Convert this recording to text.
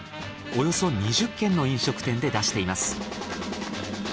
およそ２０軒の飲食店で出しています。